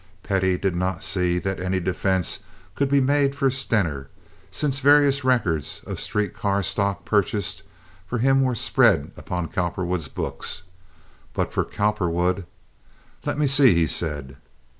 Pettie did not see that any defense could be made for Stener, since various records of street car stocks purchased for him were spread upon Cowperwood's books; but for Cowperwood—"Let me see," he said.